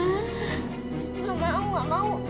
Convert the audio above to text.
nggak mau nggak mau